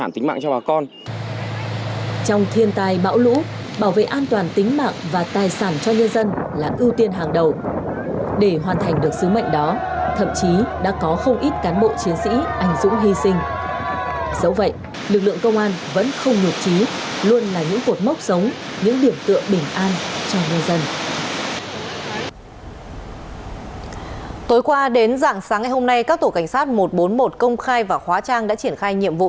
tối qua đến dạng sáng ngày hôm nay các tổ cảnh sát một trăm bốn mươi một công khai và khóa trang đã triển khai nhiệm vụ